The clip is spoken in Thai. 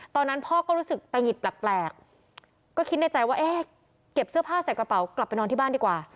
ตอนนั้นพ่อก็รู้สึกตะหงิดแปลกก็คิดในใจว่าเอ๊ะเก็บเสื้อผ้าใส่กระเป๋ากลับไปนอนที่บ้านดีกว่า